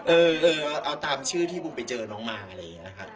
เออเอาตามชื่อที่บุมไปเจอน้องมาอะไรอย่างนี้นะครับ